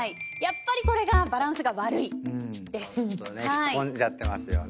引っ込んじゃってますよね。